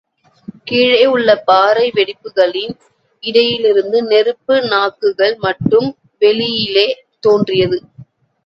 கீழே உள்ள பாறை வெடிப்புகளின் இடையிலிருந்து நெருப்பு நாக்குகள் மட்டும் வெளியிலே தோன்றியது.